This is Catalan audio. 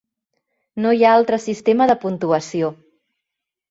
No hi ha altre sistema de puntuació.